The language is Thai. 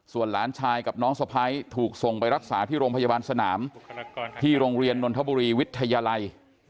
ส่วนหลานชายกับน้องสะพ้ายถูกส่งไปรักษาที่โรงพยาบาลสนามที่โรงเรียนนนทบุรีวิทยาลัย